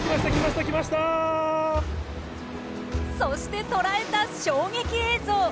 そして捉えた衝撃映像。